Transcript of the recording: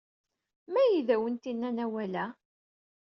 Ma ay d awent-innan awal-ad?